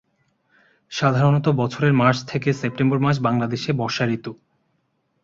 সাধারণত বছরের মার্চ থেকে সেপ্টেম্বর মাস বাংলাদেশে বর্ষা ঋতু।